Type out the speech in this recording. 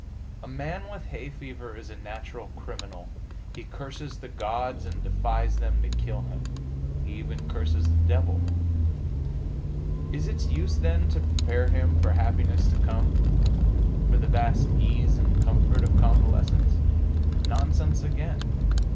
A man with hay fever is a natural criminal. He curses the gods, and defies them to kill him. He even curses the devil. Is its use, then, to prepare him for happiness to come for the vast ease and comfort of convalescence? Nonsense again!